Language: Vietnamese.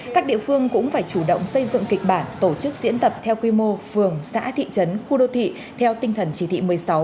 các địa phương cũng phải chủ động xây dựng kịch bản tổ chức diễn tập theo quy mô phường xã thị trấn khu đô thị theo tinh thần chỉ thị một mươi sáu